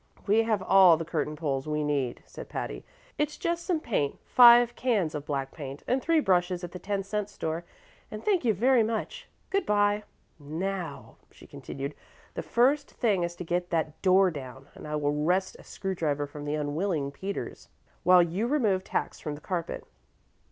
"We have all the curtain poles we need," said Patty. "It's just some paint five cans of black paint, and three brushes at the ten cent store, and thank you very much. Good by. Now," she continued, "the first thing is to get that door down, and I will wrest a screw driver from the unwilling Peters while you remove tacks from the carpet."